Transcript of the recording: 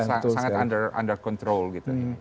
sangat under control gitu